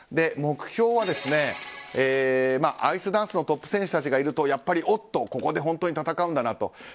目標は、アイスダンスのトップ選手たちがいるとやっぱりおっと、ここで本当に戦うんだなと。